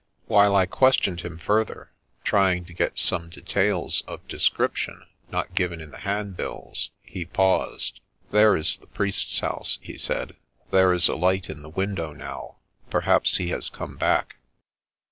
While I questioned him further, trying to get some details of descrip tion not given in the handbills, he paused. " There is the priest's house," he said. " There is a light in the window now. Perhaps he has come back."